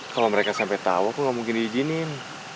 kalau mereka sampai tahu aku nggak mungkin diizinin